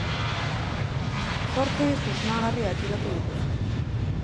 Zortzi susmagarri atxilotu dituzte.